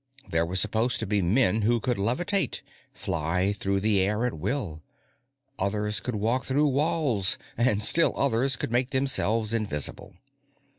There were supposed to be men who could levitate fly through the air at will. Others could walk through walls, and still others could make themselves invisible.